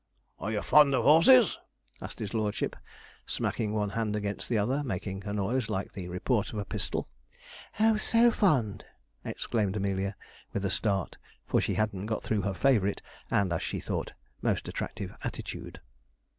'Are you fond of horses?' asked his lordship, smacking one hand against the other, making a noise like the report of a pistol. 'Oh, so fond!' exclaimed Amelia, with a start; for she hadn't got through her favourite, and, as she thought, most attractive attitude.